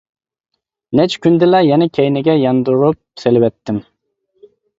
نەچچە كۈندىلا يەنە كەينىگە ياندۇرۇپ سېلىۋەتتىم.